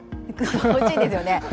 ほしいですよね。